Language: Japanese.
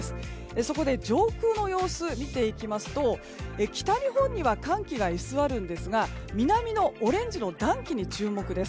そこで上空の様子見ていきますと北日本には寒気が居座るんですが南のオレンジの暖気に注目です。